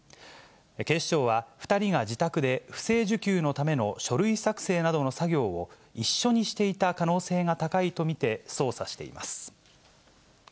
警視庁は、２人が自宅で不正受給のための書類作成などの作業を、一緒にしていた可能性が高いと見て捜査しています。